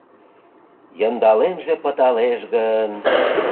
Йындалемже пыталеш гын